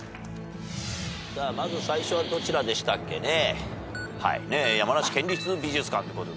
さあまず最初はどちらでしたっけね。